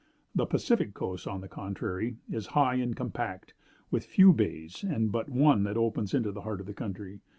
The Pacific coast, on the contrary, is high and compact, with few bays, and but one that opens into the heart of the country.